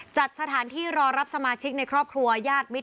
จัดสถานที่รอรับสมาชิกในครอบครัวญาติมิตร